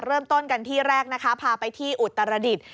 เริ่มต้นกันที่แรกนะคะพาไปที่อุตรดิษฐ์